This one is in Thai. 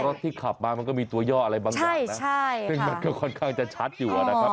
รถที่ขับมามันก็มีตัวย่ออะไรบางอย่างนะซึ่งมันก็ค่อนข้างจะชัดอยู่นะครับ